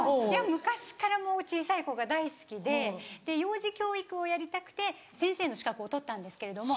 昔からもう小さい子が大好きで幼児教育をやりたくて先生の資格を取ったんですけれども。